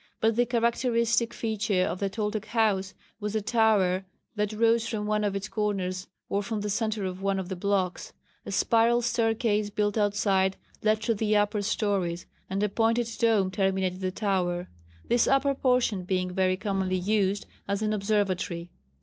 But the characteristic feature of the Toltec house was the tower that rose from one of its corners or from the centre of one of the blocks. A spiral staircase built outside led to the upper stories, and a pointed dome terminated the tower this upper portion being very commonly used as an observatory.